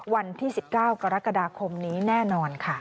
วันที่๑๙กรกฎาคมนี้แน่นอนค่ะ